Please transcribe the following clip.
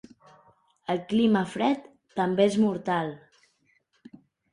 El clima fred també és mortal.